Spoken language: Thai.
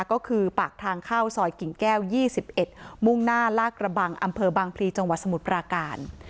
ก็คือปากทางเข้าซอยกิ่งแก้ว๒๑มุ่งหน้าลากระบังอำเภอบางพลีจังหวัดสมุทรปราการ